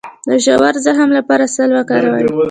د ژور زخم لپاره عسل وکاروئ